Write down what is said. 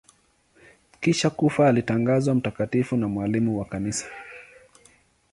Kisha kufa alitangazwa mtakatifu na mwalimu wa Kanisa.